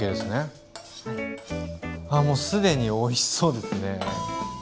ああもう既においしそうですね。